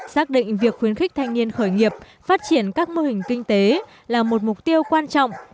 xác định việc khuyến khích thanh niên khởi nghiệp phát triển các mô hình kinh tế là một mục tiêu quan trọng